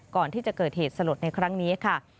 ก่อนที่จะเกิดเหตุสลดในครั้งนี้ค่ะ